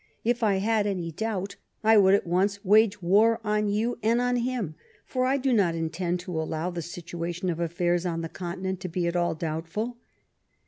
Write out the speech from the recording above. If I had any doubt, I would at once wage war on you and on him, for 1 do not intend to allow the situation of aflairs on the Continent to be nit all doubtful.